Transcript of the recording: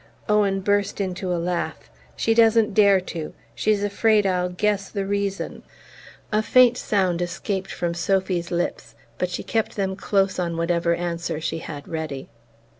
Owen burst into a laugh. "She doesn't dare to she's afraid I'll guess the reason!" A faint sound escaped from Sophy's lips, but she kept them close on whatever answer she had ready.